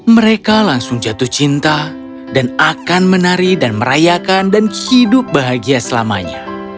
mereka langsung jatuh cinta dan akan menari dan merayakan dan hidup bahagia selamanya